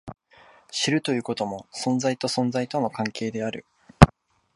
知るということも、存在と存在との関係である。